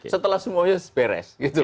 setelah semuanya beres